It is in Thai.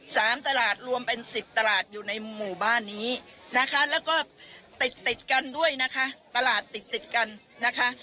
สามตลาดรวมเป็นสิบตลาดอยู่ในหมู่บ้านนี้นะคะแล้วก็ติดติดกันด้วยนะคะตลาดติดติดกันนะคะ